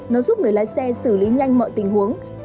nó giúp người lái xe xử lý nhanh mọi tình huống